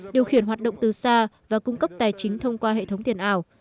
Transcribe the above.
điều khiển hoạt động từ xa và cung cấp tài chính thông qua hệ thống tiền ảo